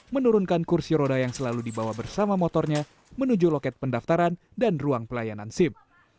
menurunkan kursi roda yang selalu dibawa bersama motornya menuju loket pendaftaran dan ruang pelayanan sim